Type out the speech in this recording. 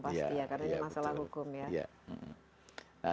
pasti ya karena ini masalah hukum ya